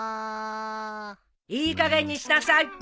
いいかげんにしなさい！